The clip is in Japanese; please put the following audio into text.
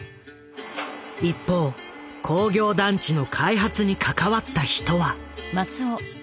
一方工業団地の開発に関わった人は。